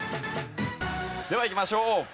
ではいきましょう。